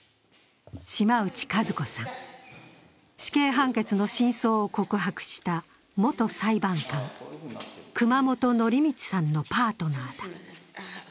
島内和子さん、死刑判決の真相を告白した元裁判官・熊本典道さんのパートナーだ。